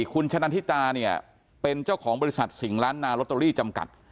คุณชะนันทิตาเป็นเจ้าของบริษัทสิ่งล้านรอตโตรี่จำกัด